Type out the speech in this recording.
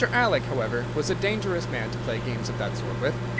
Alec, however, was a dangerous man to play games of that sort with.